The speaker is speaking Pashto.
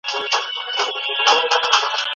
زه ناسمه خواړه نه خورم.